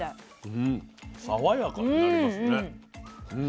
うん爽やかになりますね。